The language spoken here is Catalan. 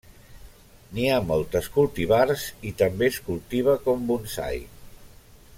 N'hi ha moltes cultivars i també es cultiva com bonsai.